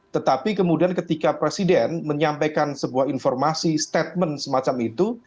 tetapi kemudian ketika presiden menyampaikan sebuah informasi statement semacam itu